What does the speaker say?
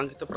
apa itu pak